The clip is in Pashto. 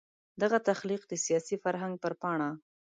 دغه تخلیق د سیاسي فرهنګ پر پاڼه.